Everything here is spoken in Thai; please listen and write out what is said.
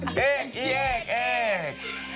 สวัสดีครับ